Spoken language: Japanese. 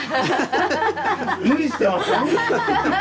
無理してません？